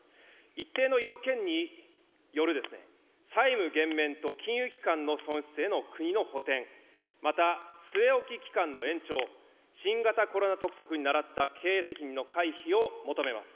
一定の要件によるですね、債務減免と金融機関の損失への国の補填、また据え置き期間の延長、新型コロナ特則にならった経営責任の回避を求めます。